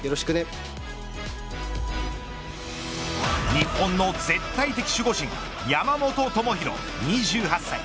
日本の絶対的守護神山本智大２８歳。